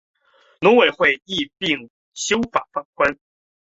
农委会亦一并修法放宽